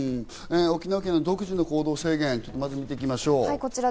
沖縄県の独自の行動制限をまず見ていきましょう。